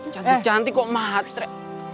cantik cantik kok matre